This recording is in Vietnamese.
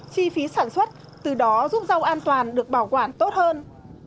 chi phí sản xuất từ đó giúp rau an toàn được bảo quản tốt hơn